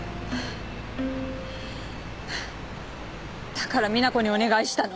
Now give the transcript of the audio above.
だからみな子にお願いしたの。